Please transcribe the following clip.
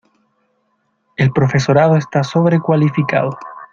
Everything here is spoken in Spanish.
El profesorado está sobrecualificado.